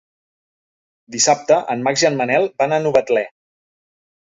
Dissabte en Max i en Manel van a Novetlè.